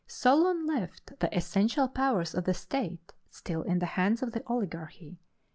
Solon left the essential powers of the state still in the hands of the oligarchy.